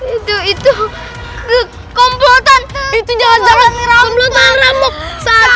itu itu kompulkan itu jangan jangan ramut ramut satu ratus dua puluh tiga